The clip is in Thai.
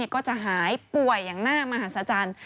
ก็จะหายป่วยอย่างหน้ามหาศจรรย์